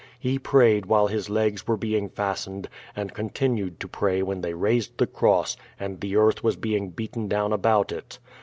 He prayed while his legs were being fastened, and continued to pray when they raised the cross and the earth was being beaten down about it.